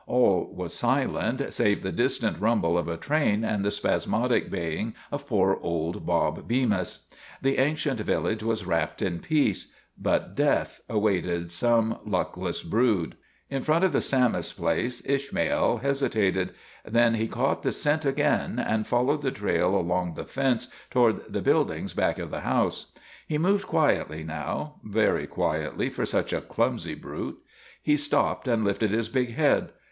All was silent save the distant rumble of a train and the spas modic baying of poor old Bob Bemis. The ancient village was wrapped in peace; but death awaited some luckless brood. In front of the Sammis place Ishmael hesitated; then he caught the scent again and followed the trail along the fence toward the buildings back of the house. He moved quietly now very quietly for such a clumsy brute. He stopped and lifted his big head.